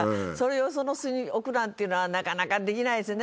よその巣に置くなんていうのはなかなかできないですね。